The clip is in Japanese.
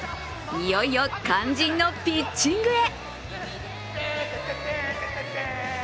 いよいよ肝心のピッチングへ。